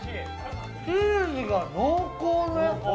チーズが濃厚なやつ！